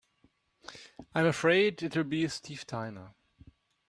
I'm afraid it'll be Steve Tina.